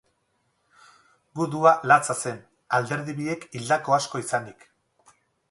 Gudua latza zen, alderdi biek hildako asko izanik.